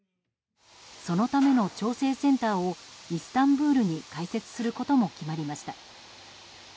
そのための調整センターをイスタンブールに開設することも決まりました。